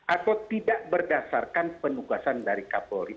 atau tidak berdasarkan penugasan dari kapolri